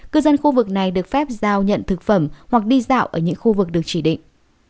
cư dân khu vực này được phép giao nhận thực phẩm hoặc đi dạo ở những khu vực được chỉ định